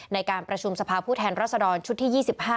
ในการประชุมสภาพผู้แทนรัศดรชุดที่๒๕